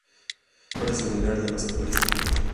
Su cuerpo era similar al de los actuales tapires.